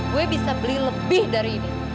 gue bisa beli lebih dari ini